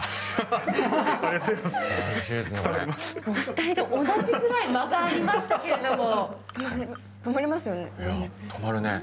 ２人とも同じぐらい間がありましたけれども。